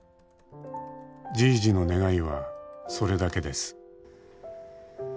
「じいじの願いはそれだけです」